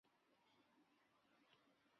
这阵子听说他要工作了